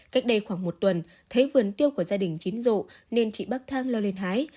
cách đây khoảng một tuần thấy vườn tiêu của gia đình chín rộ nên chị bắc thang leo lên hái